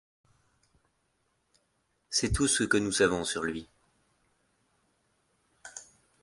C'est tout ce que nous savons sur lui.